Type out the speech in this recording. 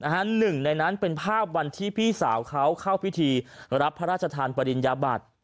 หนึ่งในนั้นเป็นภาพวันที่พี่สาวเขาเข้าพิธีรับพระราชทานปริญญาบัติ